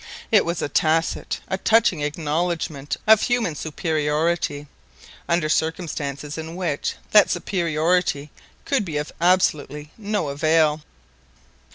It was a tacit, a touching acknowledgment of human superiority, under circumstances in which that superiority could be of absolutely no avail.